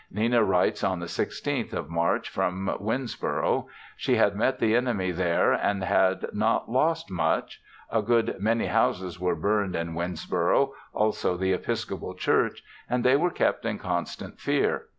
Nina writes on the 16th of March from Winnsboro. She had met the enemy there and had not lost much. a good many houses were burned in Winnsboro, also the Episcopal Church, and they were kept in constant fear.